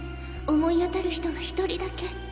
思い当たる人が１人だけ。